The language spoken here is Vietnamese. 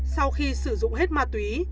sau khi sử dụng hết ma túy